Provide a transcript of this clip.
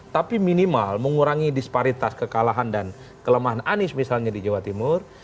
tapi minimal mengurangi disparitas kekalahan dan kelemahan anies misalnya di jawa timur